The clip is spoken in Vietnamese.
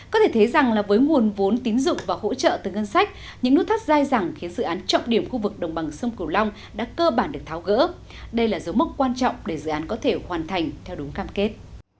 có thể thấy rằng là với nguồn vốn tín dụng và hỗ trợ từ ngân sách những nút thắt dai dẳng khiến dự án trọng điểm khu vực đồng bằng sông cửu long đã cơ bản được tháo gỡ đây là dấu mốc quan trọng để dự án có thể hoàn thành theo đúng cam kết